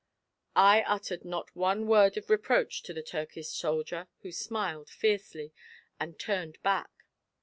I uttered not one word of reproach to the Turkish soldier, who smiled fiercely, and turned back.